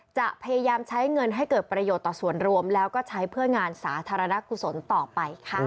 จะพยายามใช้เงินให้เกิดประโยชน์ต่อส่วนรวมแล้วก็ใช้เพื่องานสาธารณกุศลต่อไปค่ะ